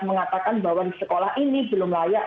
mengatakan bahwa di sekolah ini belum layak